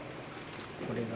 これが。